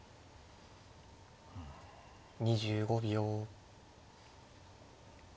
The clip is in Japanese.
２５秒。